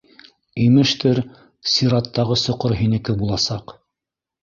Имештер, сираттағы соҡор һинеке буласаҡ...